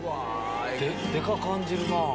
でかく感じるな。